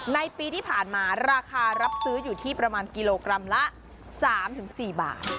ในปีที่ผ่านมาราคารับซื้ออยู่ที่ประมาณกิโลกรัมละ๓๔บาท